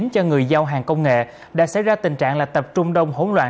cho người giao hàng công nghệ đã xảy ra tình trạng là tập trung đông hỗn loạn